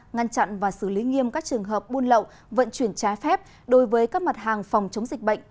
ngăn chặn và xử lý nghiêm các trường hợp buôn lậu vận chuyển trái phép đối với các mặt hàng phòng chống dịch bệnh